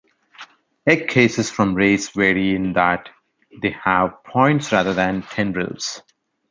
Egg cases from rays vary in that they have points rather than tendrils.